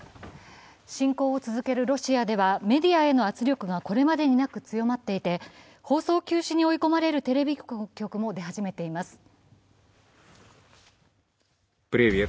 侵攻を続けるロシアではメディアへの圧力がこれまでになく強まっていて、放送休止に追い込まれるテレビ局も出始めています。